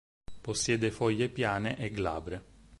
Possiede foglie piane e glabre.